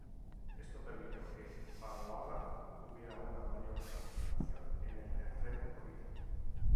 Esto permitió que Fagoaga tuviera una mayor participación en el terreno político.